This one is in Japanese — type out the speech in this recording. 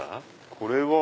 これは。